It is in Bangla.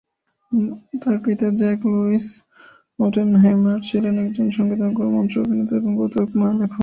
তার পিতা জ্যাক লুইস ওটেনহেইমার ছিলেন একজন সঙ্গীতজ্ঞ, মঞ্চ অভিনেতা এবং কৌতুক বই লেখক।